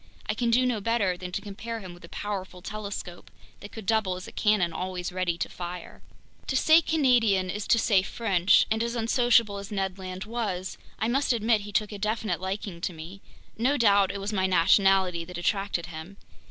I can do no better than to compare him with a powerful telescope that could double as a cannon always ready to fire. To say Canadian is to say French, and as unsociable as Ned Land was, I must admit he took a definite liking to me. No doubt it was my nationality that attracted him.